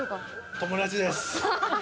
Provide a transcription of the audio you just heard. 友達です。